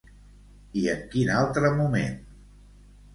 I en quin altre moment?